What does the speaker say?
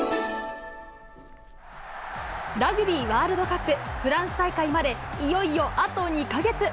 ラグビーワールドカップフランス大会までいよいよあと２か月。